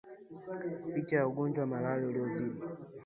Picha Ugonjwa wa malale uliozidi